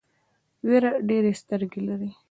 وېره ډېرې سترګې لري.